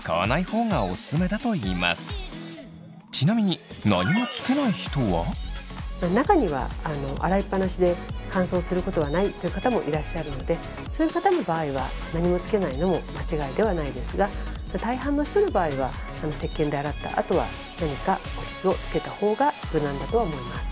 ちなみに中には洗いっぱなしで乾燥することはないという方もいらっしゃるのでそういう方の場合は何もつけないのも間違いではないですが大半の人の場合はせっけんで洗ったあとは何か保湿をつけた方が無難だとは思います。